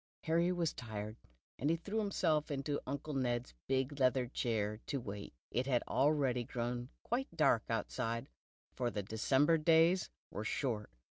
Hany" was tired, and threw himself into Uncle Xed's bicj leather chair to wait. It had already grown quite dark outside, for the December days were short.